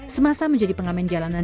semasa menjadi pengamen jalanan